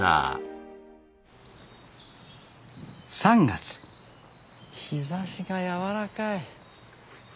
３月日ざしが柔らかい。